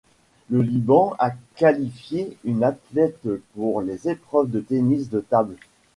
Le Liban a qualifié une athlète pour les épreuves de tennis de table.